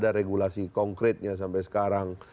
ada regulasi konkretnya sampai sekarang